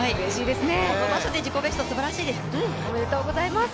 この場所で自己ベストすばらしいです。